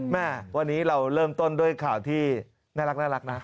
แม่วันนี้เราเริ่มต้นด้วยข่าวที่น่ารักนะ